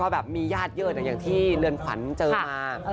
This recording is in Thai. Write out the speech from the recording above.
แบบมีญาติเยอะแบบที่เลือนฝันเจอมา